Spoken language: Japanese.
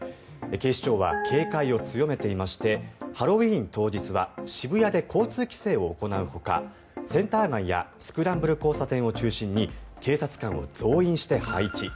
警視庁は警戒を強めていましてハロウィーン当日は渋谷で交通規制を行うほかセンター街やスクランブル交差点を中心に警察官を増員して配置。